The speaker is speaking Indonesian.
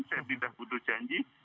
saya tidak butuh janji